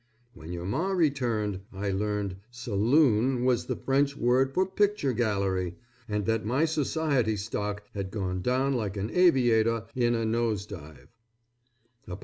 When your Ma returned, I learned saloon was the French word for picture gallery, and that my society stock had gone down like an aviator in a nose dive.